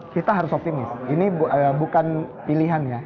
kita harus optimis ini bukan pilihan ya